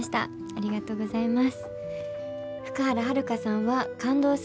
ありがとうございます。